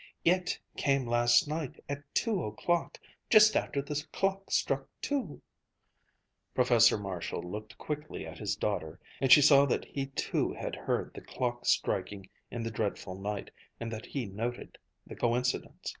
"It came last night at two o'clock ... just after the clock struck two " Professor Marshall looked quickly at his daughter, and she saw that he too had heard the clock striking in the dreadful night, and that he noted the coincidence.